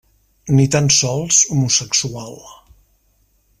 Ni tan sols homosexual.